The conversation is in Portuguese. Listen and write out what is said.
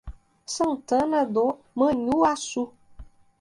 Santana do Manhuaçu